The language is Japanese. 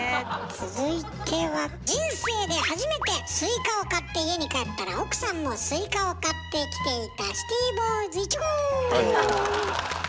続いては人生で初めてスイカを買って家に帰ったら奥さんもスイカを買ってきていたはい。